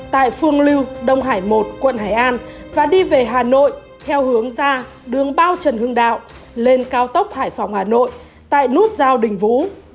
tại phương lưu đông hải một quận hải an và đi về hà nội theo hướng ra đường bao trần hưng đạo lên cao tốc hải phòng hà nội tại nút giao đình vũ